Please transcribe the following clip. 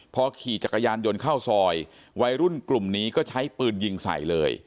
พอขี่จักรยานยนต์เข้าซอยวัยรุ่นกลุ่มนี้ก็ใช้ปืนยิงใส่เลย